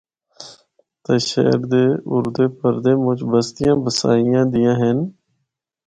تے شہر دے اُردے پَردے مُچ بستیاں بسیاں دیّاں ہن۔